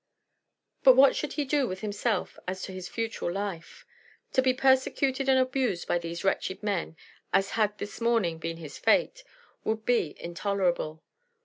But what should he do with himself as to his future life? To be persecuted and abused by these wretched men, as had this morning been his fate, would be intolerable.